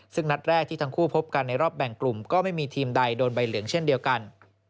ซึ่งนัดแรกที่ทั้งคู่พบกันในรอบแบ่งกลุ่มก็ไม่มีทีมใดโดนใบเหลืองเช่นเดียวกัน